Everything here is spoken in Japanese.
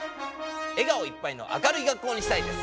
笑顔いっぱいの明るい学校にしたいです！